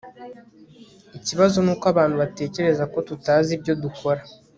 ikibazo nuko abantu batekereza ko tutazi ibyo dukora